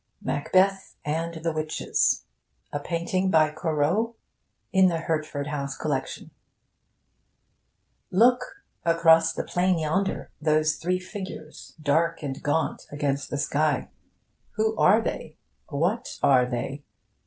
'MACBETH AND THE WITCHES' A PAINTING BY COROT, IN THE HERTFORD HOUSE COLLECTION Look! Across the plain yonder, those three figures, dark and gaunt against the sky.... Who are they? What are they?